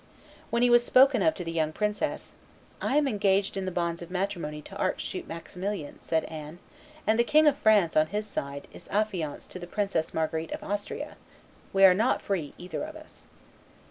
When he was spoken of to the young princess, "I am engaged in the bonds of matrimony to Archduke Maximilian," said Anne: "and the King of France, on his side, is affianced to the Princess Marguerite of Austria; we are not free, either of us."